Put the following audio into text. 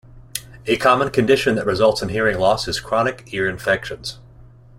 A common condition that results in hearing loss is chronic ear infections.